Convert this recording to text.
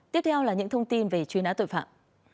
tiếp theo là những thông tin về chuyên án tội phạm